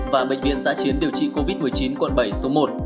và bệnh viện giã chiến điều trị covid một mươi chín quận bảy số một